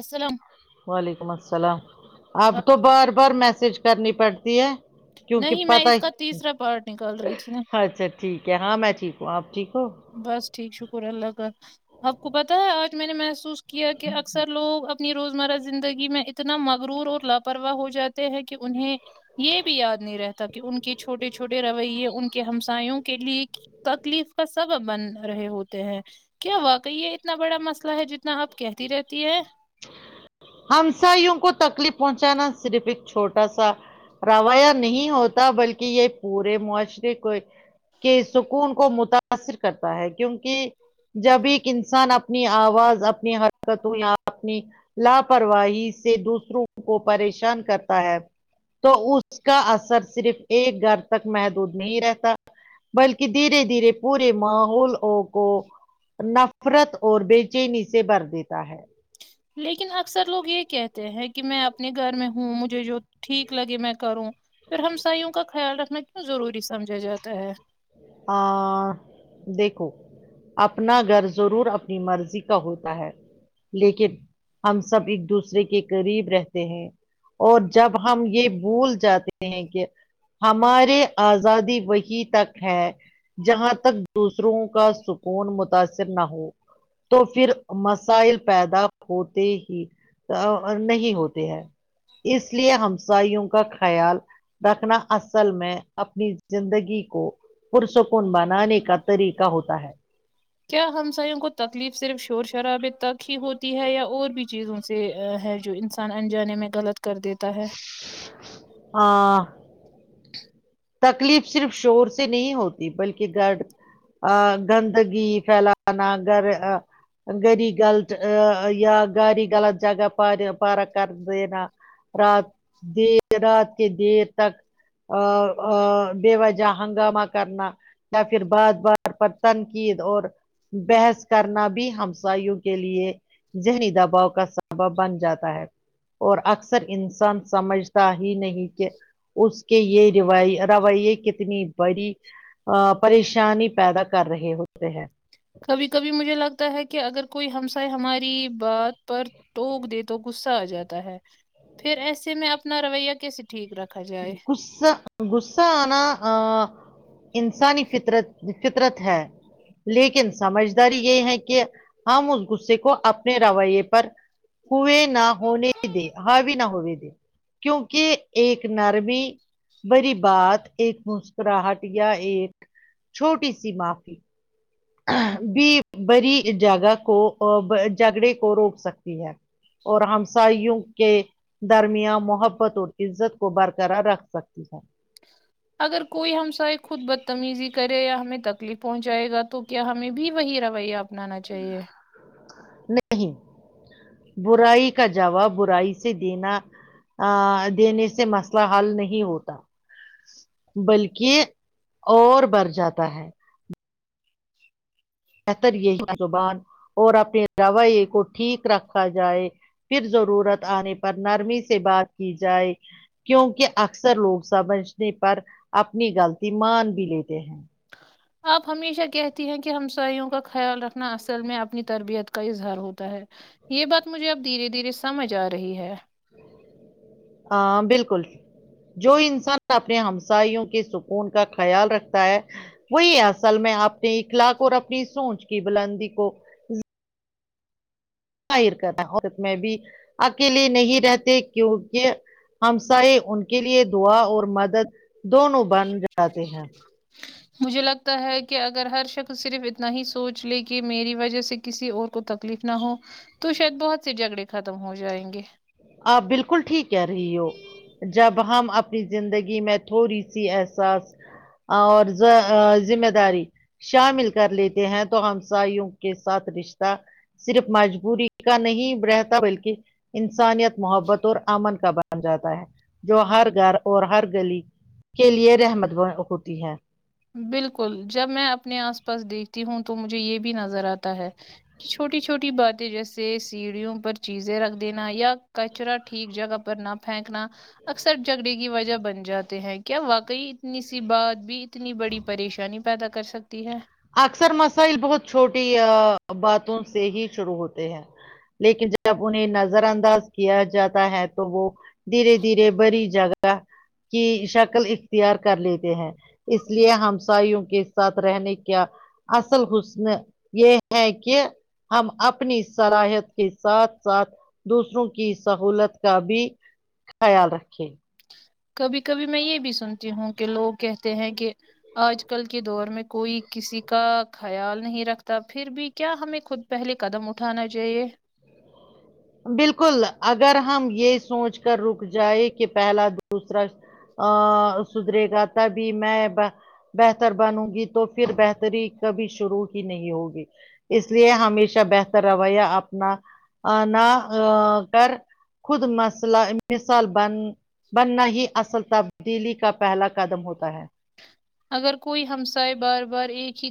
السلام وعلیکم السلام آپ کو ٹھیک بار ہے بار میسج کرنی پڑتی ہے کیونکہ نہیں میں پتا اس کا تیسرا پارٹ نکال رہی تھی نا اچھا ٹھیک ہے ہاں میں ٹھیک ہوں آپ ٹھیک ہو بس ٹھیک شکر اللہ کا آپ کو پتہ ہے آج میں نے محسوس کیا ہے کہ اکثر لوگ اپنی روزمرہ زندگی میں اتنا مغرور اور لاپرواہ ہو جاتے ہیں کہ انہیں یہ بھی یاد نہیں رہتا کہ ان کے چھوٹے چھوٹے چھوٹے رویے ان کے ہمسایوں کے لیے تکلیف کا س سبب بن رہے ہوتے ہیں کیا واقعی یہ اتنا بڑا مسئلہ ہے جتنا تنا آپ کہتی رہتی ہے ہمساائیوں کو تکلیف پہنچانا صرف ایک چھوٹا سا رویہ نہیں ہوتا بلکہ یہ پورے معاشرے کو کے سکون کو متاثر کرتا ہے کیونکہ جب ایک انسان اپنی آواز اپنی حرکتوں یا اپنی لاپرواہی سے دوسروں کو پریشان کرتا ہے تو اس کا اثر صرف ایک گھر تک محدود نہیں رہتا بلکہ دھیرے دھیرے پورے ماحول کو نفرت اور بےچینی سے بھر دیتا ہے لیکن اکثر لوگ یہ کہتے ہیں کہ میں اپنے گھر میں ہوں مجھے جو ٹھیک لگے میں کروں پھر ہمساوں کا خیال رکھنا کیوں ضروری سمجھا جاتا ہے آ دیکھو اپنا گھر ضرور اپنی مرضی کا ہوتا ہے لیکن ہم سب ایک دوسرے کے قریب رہتے ہیں اور جب ہم یہ بھول جاتے ہیں کہ ہمارے آزادی وہی تک ہے جہاں تک دوسروں کا سکون متاثر نہ ہو تو پھر مسائل پیدا ہوتے ہی نہیں ہوتے ہیں اس لیے ہمسایوں کا خیال رکھنا اصل میں اپنی زندگی کو پرسکون بناے کا طریق ہوتا ہے کیا ہمساوں کو تکلیف صرف شور شرابے تک ہی ہوتی ہے یا اور بھی چیزوں سے ہے جو انسان انجانے میں غلط کر دیتا ہے ہاں تکلیف صرف شوہر سے نہیں ہوتی بلکہ گرد ا گندگی پھیلانا گھر گاری غلط یا گاری غلط جگہ پر پارک کر دینا رات دیر رات کے دیر تک ا ا بے وجہ ہنگامہ کرنا یا پھر بار بار پر تنقید اور بحث کرنا بھی ہمسایوں کے لیے ذہنی دباؤ کا سبب بن جاتا ہے اور اکثر انسان سمجھتا ہی نہیں کہ اس کے یہ ر رویے کتنی بڑی ا پریشانی پیدا کر رہے ہوتے ہیں کبھی کبھی مجھے لگتا ہے کہ اگر کوئی ہمسائے ہماری بات پر ٹوک دے تو غصہ آ جاتا ہے پھر ایسے میں اپنا رویہ کیسے ٹھیک رکھا جائے غصہ غصہ آناا آ انسانی فطرت فطرت ہے لیکن سمجھداری یہ ہے کہ ہم اس غصے کو اپنے رویے پر ہوئے نہ ہونے دے ہاوی نہ ہونے کیونکہ ایک نرمی بڑی بات ایک مسکراہٹ یا ایک چھوٹی سی معافی بھی بری جگہ کو جھگڑے کو روک سکتی ہے اور ہمسائیوں کے درمیاں محبت اور عزت کو برقرار رکھ سکتی ہے اگر کوئی ہمسائے خود بدتمیزی کرے یا ہمیں تکلیف پہنچائے گا تو کیا ہمیں بھی وہی رویہ اپنانا چاہیے نہیں برائی کا جواب برائی سے دینا ا دینے سے مسئلہ حل نہیں ہوتا بلکہ اور بر جاتا ہے بہتر یہی زبان اور اپنے رویے کو ٹھیک رکھا جائے پھر ضرورت آنے پر نرمی سے بات کی جائے کیونکہ اکثر لوگ سمجھنے پر اپنی غلطی مان بھی لیتے ہیں ہ آپ ہمیشہ کہتی ہیں کہ ہمسایوں کا خیال رکھنا اصل میں اپنی تربیت کا اظہار ہوتا ہے یہ بات مجھے اب دھیرے دھیرے سمجھ آ رہی ہے ہاں بالکل جو انسان اپنے ہمسایوں کے سکون کا خیال رکھتا ہے وہی اصل میں اپنے اخلاق اور اپنی سونچ کی بلندی کو ظاہر کراور میں بھی اکیلے نہیں رہتے کیونکہ ہمسائے ان کے لیے دعا اور مدد دونوں بن جاتے ہیں مجھے لگتا ہے کہ اگر ہر شخص تو صرف اتنا ہی سونچ لے کہ میری وجہ سے کسی اور کو تکلیف نہ ہو تو شاید بہت سے جھگڑے ختم ہو جائیں گے آپ بالکل ٹھیک کہ رہی ہو جب ہم اپنی زندگی میں تھوڑی سی احساس اور ذ ذمہ داری شامل کر لیتے ہیں تو ہمساائیوں کے ساتھ رشتہ صرف مجبوری کا نہیں رہتا بلکہ انسانیت محبت اور امن کا ب جاتا ہے جو ہر گھر اور ہر گلی کے لیے رحمت ہوتی ہے بالکل جب میں اپنے آس پاس دیکھتی ہوں تو مجھے یہ بھی نظر آتا ہے کہ چھوٹی چھوٹی باتیں جیسے سیڑھیوں پر چیزیں رکھ دینا یا کچرا ٹھیک جگہ پر نہ پھینکنا اکثر جھگڑے کی وجہ بن جاتے ہیں کیا واقعی اتنی سی بات بھی اتنی بڑی پریشانی پیدا کر سکتی ہے اکثر مسائل بہت چھوٹی باتوں سے ہی شروع ہوتے ہیں لیکن جب انہیں نظر انداز کیا جاتا ہے تو وہ دھیرے دھیرے بری جگہ کی شکل اختیار کر لیتے ہیں اس لیے ہمسایوں کے ساتھ رہنے کیا اصل حسن یہ ہے کہ ہم اپنی صلاحیت کے ساتھ ساتھ دوسروں کی سہولت کا بھی خیال رکھے کبھی کبھی میں یہ بھی سنتی ہوں کہ لوگ کہتے ہیں کہ آج کل کے دور میں کوئی کسی کا خیال نہیں رکھتا پھر بھی کیا ہمیں خود پہلے قدم اٹھانا چاہیے بالکل اگر ہم یہ سوچ کر رک جائے کہ پہلا دوسرا ا سدرے گا تبھی میں بہتر بنوں گی تو پھر بہتری کبھی شروع ہی نہیں ہوگی اس لیے ہمیشہ بہتر رویہ اپنا نا کر خود مسلہ ایک مثال بن بننا ہی اصل تبدیلی کا پہلا قدم ہوتا ہے اگر کوئی ہمسائے بار بار ایک ہی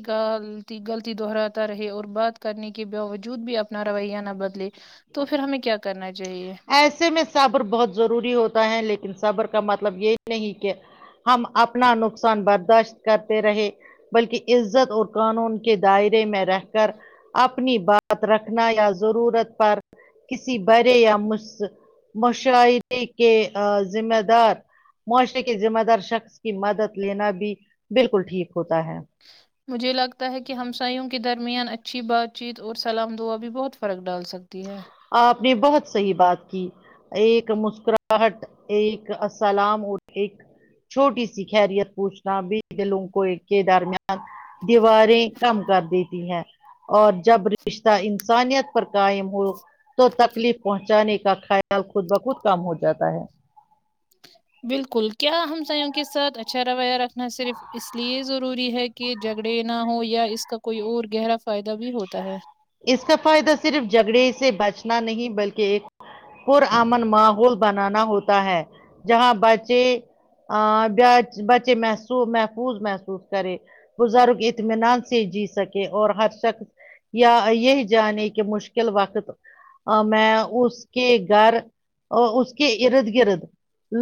غلطی دہراتا رہے اور بات کرنے کے باوجود بھی اپنا رویہ نہ بدلے تو پھر ہمیں کیا کرنا چاہیے ایسے میں صبر بہت ضروری ہوتا ہے لیکن صبر کا مطلب یہی نہیں کہ ہم اپنا نقصان برداشت کرتے رہے بلکہ عزت اور قانون کے دائرے میں رہ کر اپنی بات رکھنا یا ضرورت پر کسی برے یا مش مشاعری کے ذمہ دار معاشرے کے ذمہ دار شخص کی مدد لینا بھی بالکل ٹھیک ہوتا ہے مجھے لگتا ہے کہ ہمسایوں کے درمیان اچھی بات چیت اور سلام دعا بھی بہت فرق ڈال سکتی ہے آپ نے بہت صحیح بات کی ایک مسکراہٹ ایک اسلام اور ایک چھوٹی سی خیریت پوچھنا بھی دلوں کو کے درمیان دیواریں کم کر دیتی ہے اور جب رشتہ انسانیت پر قائم ہو تو تکلیف پہنچانے کا خیال خود بخود کم ہو جاتا ہے بالکل کیا ہمسایوں کے ساتھ اچھا رویہ رکھنا صرف اس لیے ضروری ہے کہ جھگڑے نہ ہو یا اس کا کوئی اور گہرا فائدہ بھی ہوتا ہے اس کا فائدہ صرف جھگڑے سے بچنا نہیں بلکہ ایک پر امن ماحول بنانا ہوتا ہے جہاں بچے اہ بچ بچے محسو محفوظ محسوس کرے بزرگ اطمینان سے جی سکے اور ہر شخص یا یہ جانے کہ مشکل وقت میں اس کے گھر اس کے ارد گرد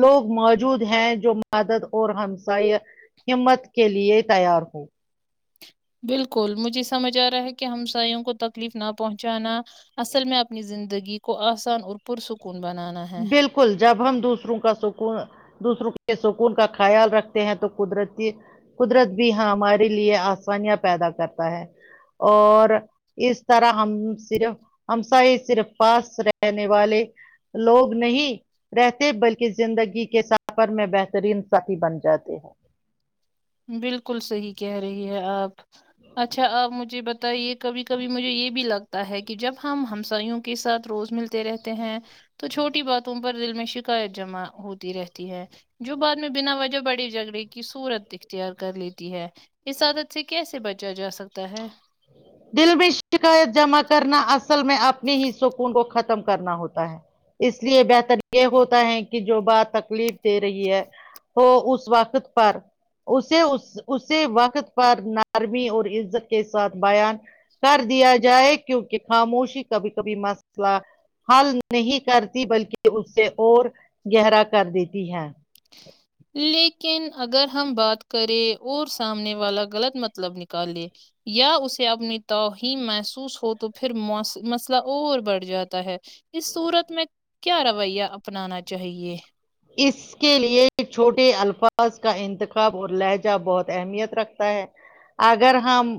لوگ موجود ہیں جو مدد اور ہمسائے ہمت کے لیے تیار ہو بالکل مجھے سمجھ آ رہا ہے کہ ہمسایوں کو تکلیف نہ پہنچانا اصل میں اپنی زندگی کو آسان اور پرسکون بنانا ہے بالکل جب ہم دوسروں کا سکون دوسروں کے سکون کا خیال رکھتے ہیں تو قدرتی قدرت بھی ہمارے لیے آسانیاں پیدا کرتا ہے اور اس طرح ہم صرف ہمسائے صرف پاس رہنے والے لوگ نہیں رہتے بلکہ زندگی کے سفر میں بہترین ساتھی بن جاتے ہیں بالکل صحیح کہہ رہی ہے آپ اچھا آپ مجھے بتائیے کبھی کبھی مجھے یہ بھی لگ تا ہے کہ جب ہم ہمسائیوں کے ساتھ روز ملتے رہتے ہیں تو چھوٹی باتوں پر دل میں شکایت جمع ہوتی رہتی ہے جو بعد میں بنا وجہ بڑے جھگڑے کی صورت دیکھتی اور کر لیتی ہے اس عادت سے کیسے بچا جا سکتا ہے دل میں شکایت جمع کرنا اصل میں اپنی ہی سکون کو ختم کرنا ہوتا ہے اس لیے بہتر یہ ہوتا ہے کہ جو بات تکلیف دے رہی ہے تو اس وقت پر اسے اسے وقت پر نارمی اور عزت کے ساتھ بیان کر دیا جائے کیونکہ خاموشی کبھی کبھی مسئلہ حل نہیں کرتی بلکہ اس سے اور گہرا کر دیتی ہے لیکن اگر ہم بات کریں اور سامنے والا غلط مطلب نکالے یا اسے اپنی توہین محسوس ہو تو پھر مس مسئلہ اور بڑھ جاتا ہے اس سورت میں کیا رویہ اپنانا چاہیے اس کے لیے چھوٹے الفاظ کا انتخاب اور لہجہ بہت اہمیت رکھتا ہے اگر ہم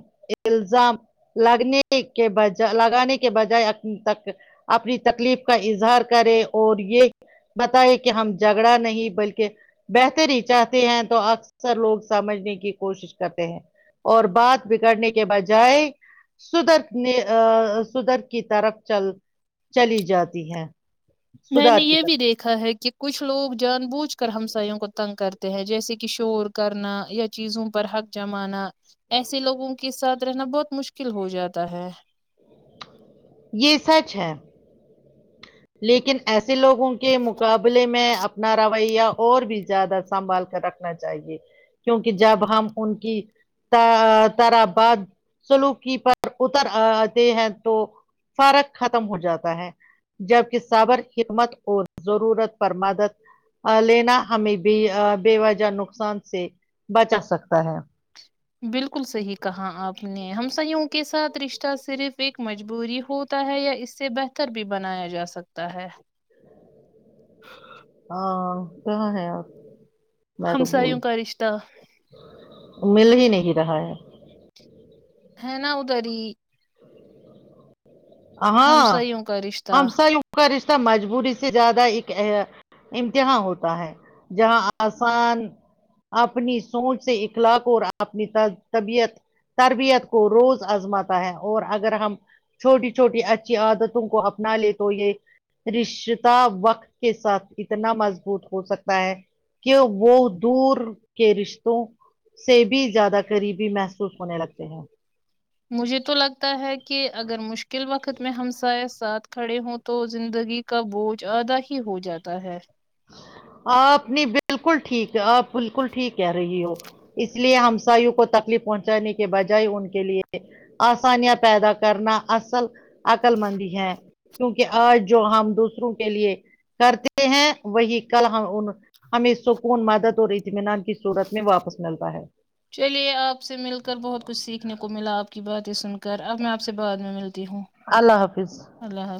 الزام لگنے کے بج لگانے کے بجائے تک اپنی تکلیف کا اظہار کرے اور یہ بتائے کہ ہم جھگڑا نہیں بلکہ بہتری چاہتے ہیں تو اکثر لوگ سمجھنے کی کوشش کرتے ہیں اور بات بگڑنے کے بجائے سدھر نے سدھار کی طرف چل چلی جاتی ہے میں نے سدھار کی یہ بھی طرف دیکھا ہے کہ کچھ لوگ جان بوجھ کر ہمساائیوں کو تنگ کرتے ہیں جیسے کہ شور کرنا یا چیزوں پر حق جمانا ایسے لوگوں کے ساتھ رہنا بہت مشکل ہو جاتا ہے یہ سچ ہے لیکن ایسے لوگوں کے مقابلے میں اپنا رو یا اور بھی زیادہ سنبھال کر رکھنا چاہیے کیونکہ جب ہم ان کی تارباد سلوکی پر اتر آتے ہیں تو فرق ختم ہو جاتا ہے جبکہ صابر حکمت اور ضرورت پر مدد لینا ہمیں بھی بے وجہ نقصان سے بچا سکتا ہے بالکل صحیح کہا آپ نے ہم سحوں کے ساتھ رشتہ صرف ایک مجبوری ہو ہے یا اس سے بہتر بھی بنایا جا سکتا ہے ہاں کہاں ہے آپ میں کبول ہمسایوں کا رشتہ مل ہی نہیں رہا ہے ہا نا اہد ہی ہاں ہمسایوں کا ہم رشتہ س ان کا رشتہ مجبوری سے زیادہ ایک امتہا ہوتا ہے جاں آسان اپنی سوچ سے اخلاق اور اپنی طبیعت تربیت کو روز آزماتا ہے اور اگر ہم چھوٹی چھوٹی اچھی عادتوں کو اپنا لے تو یہ رشتا وقت کے ساتھ اتنا مضبوط ہو سکتا ہے کہ وہ دور کے رشتوں سے بھی زیادہ قریبی محسوس ہونے لگتے ہیں مجھے تو لگتا ہے کہ اگر مشکل وقت میں ہم سائے ساتھ کھڑے ہوں تو زندگی کا بوجھ آدھا ہی ہو جاتا ہے آپ نے بالکل ٹھیک ہے آپ بالکل ٹھیک کہ رہی ہو اس لیے ہمساائیوں کو تکلیف پہنچانے کی بجائے ان کے لیے آسانیاں پیدا کرنا اصل عقل مندی ہے کیونکہ آج جو ہم دوسروں کے لیے کرتے ہیں وہی کل ہم ہمیں سکون مدد اور اطمینان کی صورت میں واپس ملتا ہے چلیے آپ سے مل کر بہت کچھ سیکھنے کو ملا آپ کی باتیں سن کر اب میں آپ سے بعد میں ملتی ہوں اللہ حافظ اللہ حافظ